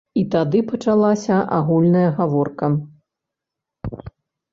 І тады пачалася агульная гаворка.